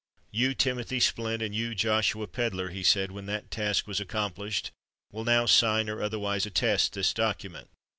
"You, Timothy Splint, and you, Joshua Pedler," he said, when that task was accomplished, "will now sign, or otherwise attest, this document."